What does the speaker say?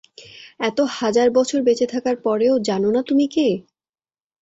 এত হাজার বছর বেঁচে থাকার পরেও জানো না তুমি কে!